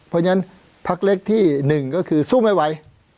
เพราะฉะนั้นพักเล็กที่๑ก็คือสู้ไม่ไหว